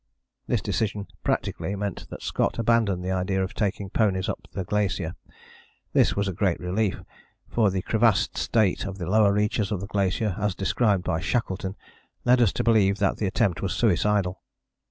This decision practically meant that Scott abandoned the idea of taking ponies up the glacier. This was a great relief, for the crevassed state of the lower reaches of the glacier as described by Shackleton led us to believe that the attempt was suicidal.